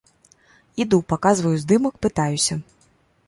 Іду, паказваю здымак, пытаюся.